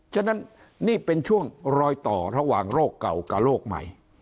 ฉะนั้นนี่เป็นช่วงรอยต่อระหว่างโรคเก่ากับโรคใหม่